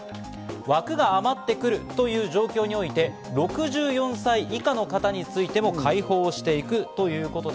枠が余ってくるという状況において、６４歳以下の方についても開放していくということで。